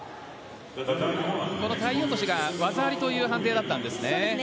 この体落としが技ありという判定だったんですね。